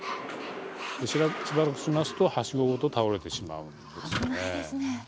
しばらくしますと、はしごごと倒れてしまうんですね。